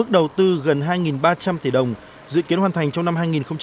đầu tư gần hai ba trăm linh tỷ đồng dự kiến hoàn thành trong năm hai nghìn hai mươi